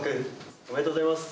おめでとうございます。